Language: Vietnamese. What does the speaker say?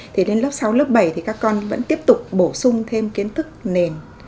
thì đến lớp sáu lớp bảy thì các con vẫn tiếp tục bổ sung thêm kiến thức nền